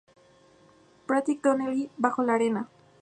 Patrick Donnelly, bajo la arena.